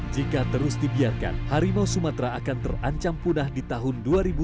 jika terus dibiarkan harimau sumatera akan terancam punah di tahun dua ribu dua puluh